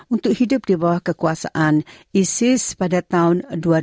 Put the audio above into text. untuk hidup di bawah kekuasaan isis pada tahun dua ribu dua